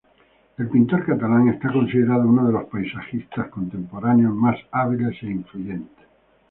El pintor catalán está considerado uno de los paisajistas contemporáneos más hábiles e influyentes.